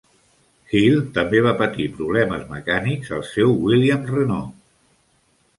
Hill també va patir problemes mecànics al seu Williams-Renault.